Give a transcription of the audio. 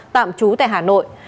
tạm trú tại hà nội